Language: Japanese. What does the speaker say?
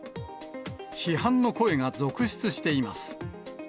批判の声が続出しています。